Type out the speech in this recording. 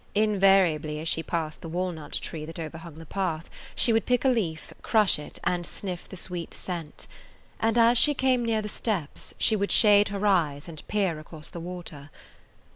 Invariably, as she passed the walnut tree that overhung the path, she would pick a leaf, crush it, and sniff the sweet scent; and as she came near the steps she would shade her eyes and peer across the water.